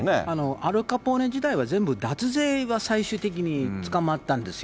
アルカポーネ時代は、全部脱税は最終的に捕まったんですよ。